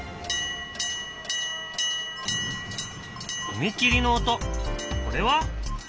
ふみきりの音これは？